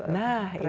nah itu dia